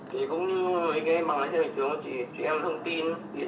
chị cũng như cái bằng lái xe bình thường chị em thông tin điện trị